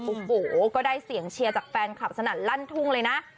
โอ้โหก็ได้เสียงเชียร์จากแฟนคลับสนั่นลั่นทุ่งเลยนะ